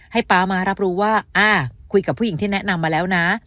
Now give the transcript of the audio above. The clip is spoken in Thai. ป๊ามารับรู้ว่าคุยกับผู้หญิงที่แนะนำมาแล้วนะ